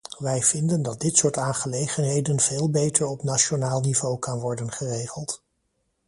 Wij vinden dat dit soort aangelegenheden veel beter op nationaal niveau kan worden geregeld.